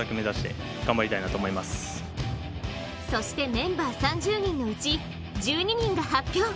そしてメンバー３０人のうち１２人が発表。